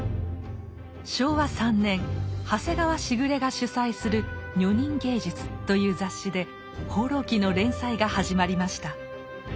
昭和３年長谷川時雨が主宰する「女人芸術」という雑誌で「放浪記」の連載が始まりました。